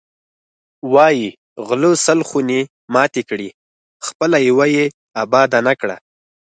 وایی غله سل خونې ماتې کړې، خپله یوه یې اباده نه کړه.